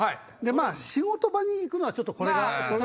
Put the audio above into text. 仕事場に行くのはちょっとこれが。